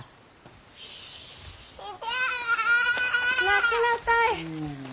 待ちなさい。